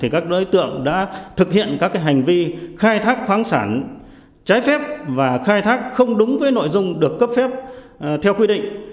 các đối tượng đã thực hiện các hành vi khai thác khoáng sản trái phép và khai thác không đúng với nội dung được cấp phép theo quy định